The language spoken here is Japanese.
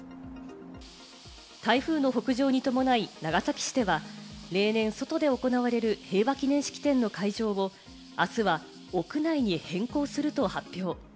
台風の北上に伴い、長崎市では例年、外で行われる平和祈念式典の会場をあすは屋内に変更すると発表。